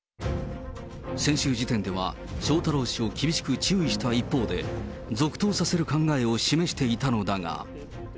先週時点では翔太郎氏を厳しく注意した一方で、続投させる考えを示していたのだが。